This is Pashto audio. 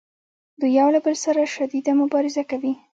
دوی یو له بل سره شدیده مبارزه کوي